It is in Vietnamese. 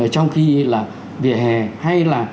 trong khi là vỉa hè hay là